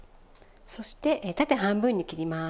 そして縦半分に切ります。